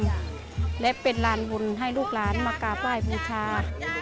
และเป็นลานบุญให้ลูกหลานมากราบไหว้บูชา